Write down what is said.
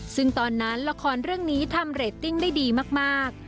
ซึ่งตอนนั้นละครเรื่องนี้ทำเรตติ้งได้ดีมาก